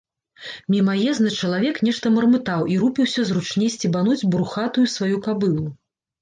Мімаезны чалавек нешта мармытаў і рупіўся зручней сцебануць брухатую сваю кабылу.